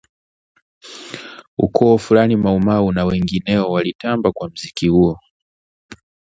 Ukoo Flani MauMau na wengineo walitamba kwa mziki huo